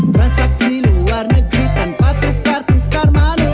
transaksi luar negeri tanpa tukar tukar money